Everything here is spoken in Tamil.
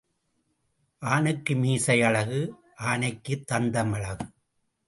ஆணுக்கு மீசை அழகு ஆனைக்குத் தந்தம் அழகு.